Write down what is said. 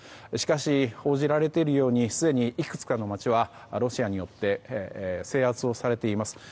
しかし報じられているようにすでにいくつかの街はロシアによって制圧をされています。